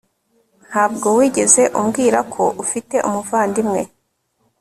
Ntabwo wigeze umbwira ko ufite umuvandimwe